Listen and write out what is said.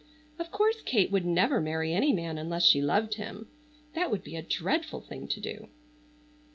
Of course Kate would never marry any man unless she loved him. That would be a dreadful thing to do.